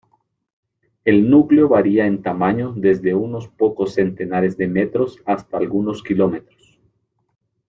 El núcleo varía en tamaño desde unos pocos centenares de metros hasta algunos kilómetros.